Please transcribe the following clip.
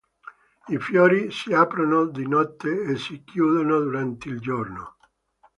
I fiori si aprono di notte e si chiudono durante il giorno.